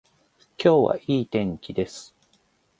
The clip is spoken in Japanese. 今日はいい天気です。